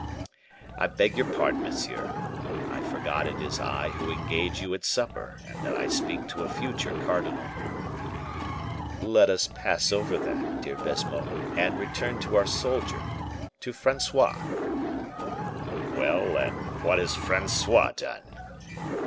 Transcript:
I beg your pardon, monsieur; I forgot it is I who engage you at supper, and that I speak to a future cardinal." "Let us pass over that, dear Baisemeaux, and return to our soldier, to Francois." "Well, and what has Francois done?"